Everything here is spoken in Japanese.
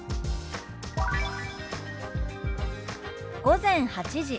「午前８時」。